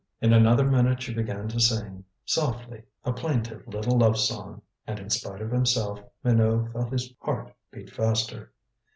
In another minute she began to sing softly a plaintive little love song, and in spite of himself Minot felt his heart beat faster.